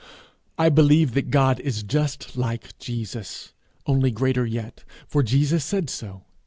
I believe that God is just like Jesus, only greater yet, for Jesus said so.